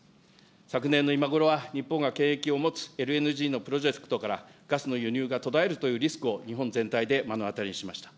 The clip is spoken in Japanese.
昨年の今頃は、日本がを持つＬＮＧのプロジェクトからガスの輸入が途絶えるというリスクを、日本全体で目の当たりにしました。